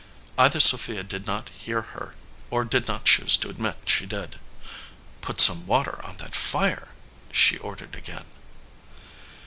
Either Sophia did not hear her or did not choose to admit she did. "Put some water on that fire," she ordered again.